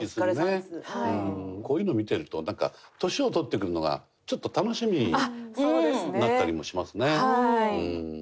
こういうの見てるとなんか年を取ってくるのがちょっと楽しみになったりもしますね。